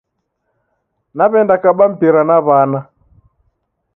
Naw'enda kaba mpira na w'ana.